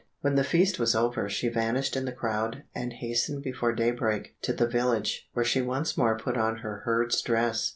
When the feast was over, she vanished in the crowd, and hastened before daybreak to the village, where she once more put on her herd's dress.